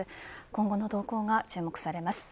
今後の動向が注目されます。